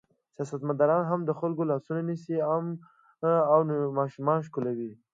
سیاستمداران هم د خلکو لاسونه نیسي او ماشومان ښکلوي.